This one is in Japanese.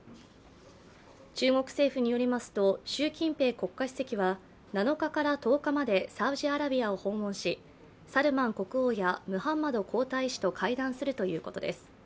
中国政府によりますと習近平国家主席は７日から１０日までサウジアラビアを訪問しサルマン国王やムハンマド皇太子と会談するということです。